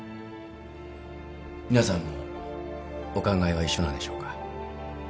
皆さんもお考えは一緒なんでしょうか。